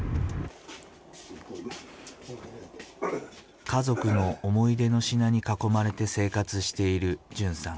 家族の思い出の品に囲まれて生活している純さん。